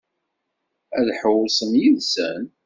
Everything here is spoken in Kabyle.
Ad ḥewwsen yid-sen?